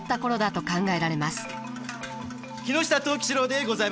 木下藤吉郎でございます。